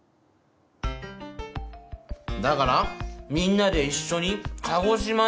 だからみんなで一緒に鹿児島に。